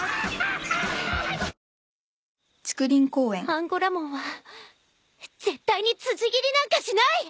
アンゴラモンは絶対に辻斬りなんかしない！